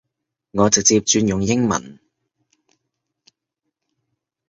我直接轉用英文